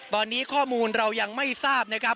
ตอนนี้ข้อมูลเรายังไม่ทราบนะครับ